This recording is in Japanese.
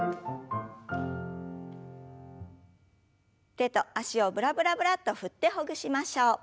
手と脚をブラブラブラッと振ってほぐしましょう。